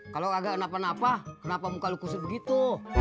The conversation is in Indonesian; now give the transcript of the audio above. kalau agak kenapa napa kenapa muka lo kusut begitu